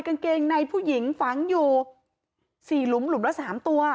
กางเกงในผู้หญิงฝังอยู่๔หลุมหลุมละ๓ตัว